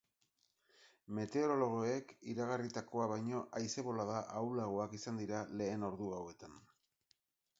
Meteorologoek iragarritakoa baino haize-bolada ahulagoak izan dira lehen ordu hauetan.